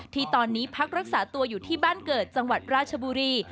ที่ตอนนี้พักรักษาตัวอยู่ที่บ้านเกิดจังหวัดราชบุรี